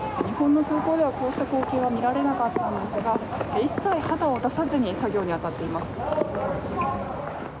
日本の空港では、こうした光景は見られなかったんですが一切肌を出さずに作業に当たっています。